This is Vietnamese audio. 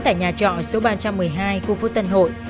tại nhà trọ số ba trăm một mươi hai khu phố tân hội